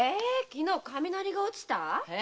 昨日雷が落ちた？